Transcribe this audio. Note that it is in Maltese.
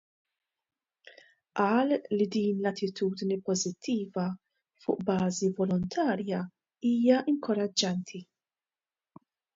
Qal li din l-attitudni pożittiva fuq bażi volontarja hija inkoraġġjanti.